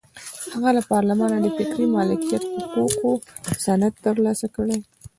هغه له پارلمانه د فکري مالکیت حقوقو سند ترلاسه کړ.